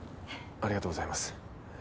ありがとうございます。